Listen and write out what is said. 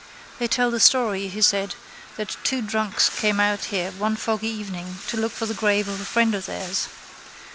—They tell the story, he said, that two drunks came out here one foggy evening to look for the grave of a friend of theirs.